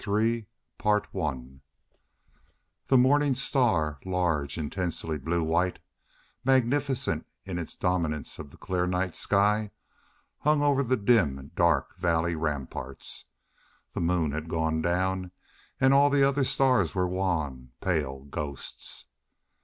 CHAPTER III The morning star, large, intensely blue white, magnificent in its dominance of the clear night sky, hung over the dim, dark valley ramparts. The moon had gone down and all the other stars were wan, pale ghosts.